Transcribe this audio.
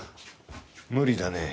無理だね。